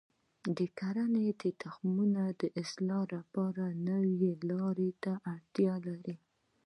کرنه د تخمونو د اصلاح لپاره نوي لارې ته اړتیا لري.